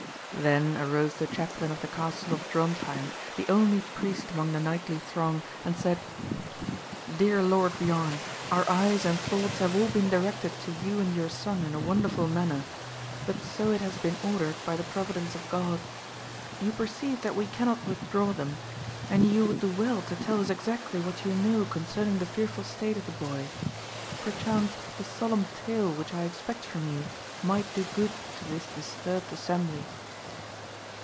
Then arose the chaplain of the castle of Drontheim, the only priest among the knightly throng, and said, "Dear Lord Biorn, our eyes and thoughts have all been directed to you and your son in a wonderful manner; but so it has been ordered by the providence of God. You perceive that we cannot withdraw them; and you would do well to tell us exactly what you know concerning the fearful state of the boy. Perchance, the solemn tale, which I expect from you, might do good to this disturbed assembly."